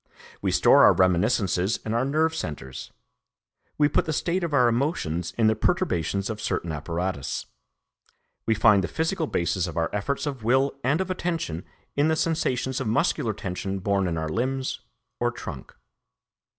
We store our reminiscences in our nerve centres; we put the state of our emotions in the perturbations of certain apparatus; we find the physical basis of our efforts of will and of attention in the sensations of muscular tension born in our limbs or trunk.